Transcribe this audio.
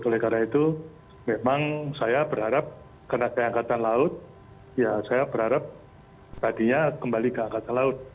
oleh karena itu memang saya berharap karena saya angkatan laut ya saya berharap tadinya kembali ke angkatan laut